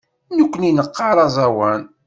Nekkni neqqar aẓawan.